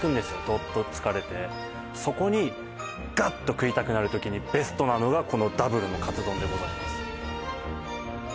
どっと疲れてそこにガッと食いたくなる時にベストなのがこのダブルのカツ丼でございます